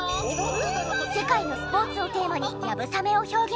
世界のスポーツをテーマに流鏑馬を表現。